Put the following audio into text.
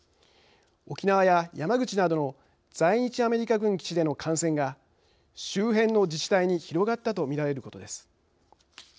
沖縄や山口などの在日アメリカ軍基地での感染が周辺の自治体に広がったとみられることです。